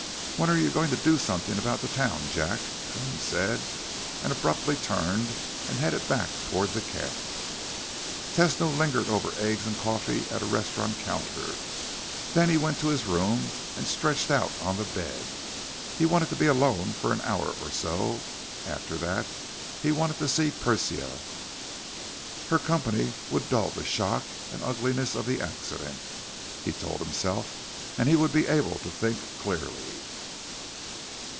"When are you going to do something about the town, Jack?" Coons said, and abruptly turned and headed back toward the camp. Tesno lingered over eggs and coffee at a restaurant counter, then he went to his room and stretched out on the bed. He wanted to be alone an hour or so; after that, he wanted to see Persia. Her company would dull the shock and ugliness of the accident, he told himself, and he would be able to think clearly.